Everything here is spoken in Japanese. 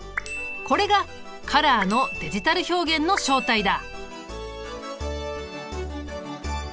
これがカラーのデジタル表現の正体だ。